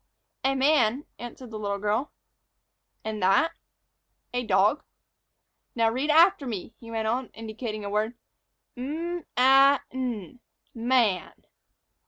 "A man," answered the little girl. "And that?" "A dog." "Now read after me," he went on, indicating a word, "'M a n, man.'"